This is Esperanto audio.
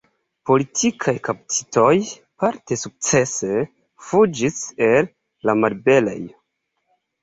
Politikaj kaptitoj parte sukcese fuĝis el la malliberejo.